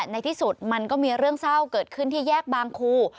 ในที่สุดมันก็มีเรื่องเศร้าเกิดขึ้นที่แยกบางครู